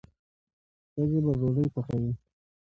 ښځې به ډوډۍ پخوي.